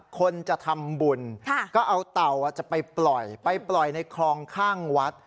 คนจะทำบุญก็เอาเต่าจะไปปล่อยไปปล่อยในคลองข้างวัด